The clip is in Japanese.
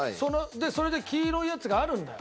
それで黄色いやつがあるんだよ。